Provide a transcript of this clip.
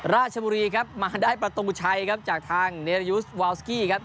ราชบุรีครับมาได้ประตูชัยครับจากทางเนริยูสวาวสกี้ครับ